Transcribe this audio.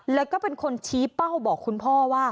แล้วก็เป็นคนชี้เป้าบอกคุณพ่อว่า